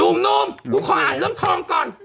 หนุ่มกูขออ่านเรื่องทองก่อน